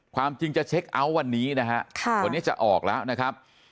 ความจริงจะเช็คเอาท์วันนี้นะฮะวันนี้จะออกแล้วนะครับ